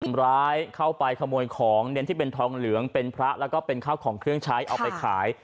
คนร้ายเข้าไปขโมยของเน้นที่เป็นทองเหลืองเป็นพระแล้วก็เป็นข้าวของเครื่องใช้เอาไปขาย